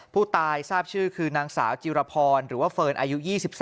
ผู้ตายทราบชื่อคือนางสาวจิรพรหรือว่าเฟิร์นอายุ๒๓